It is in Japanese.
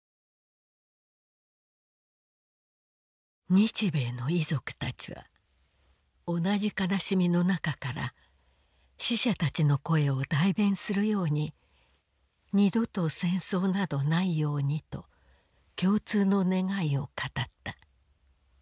「日米の遺族たちは同じ悲しみのなかから死者たちの声を代弁するように『二度と戦争などないように』と共通の願いを語った。